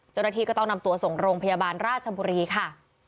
เจ้าหน้าที่ก็ต้องนำตัวส่งโรงพยาบาลราชบุรีค่ะ